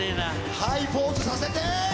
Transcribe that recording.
はいポーズさせて。